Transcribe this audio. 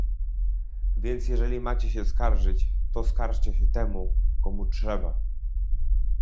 Więc jeżeli macie się skarżyć, to skarżcie się temu, komu trzeba